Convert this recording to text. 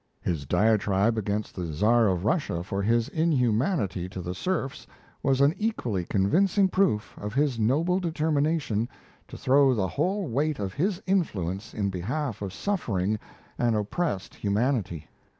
His diatribe against the Czar of Russia for his inhumanity to the serfs was an equally convincing proof of his noble determination to throw the whole weight of his influence in behalf of suffering and oppressed humanity.